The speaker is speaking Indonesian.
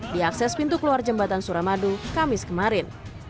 di akses pintu keluar jembatan suramadu kamis kemarin